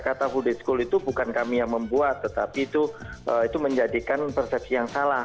kata full day school itu bukan kami yang membuat tetapi itu menjadikan persepsi yang salah